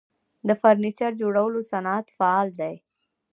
د فرنیچر جوړولو صنعت فعال دی